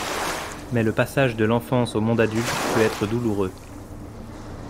Mais le passage de l’enfance au monde adulte peut être douloureux.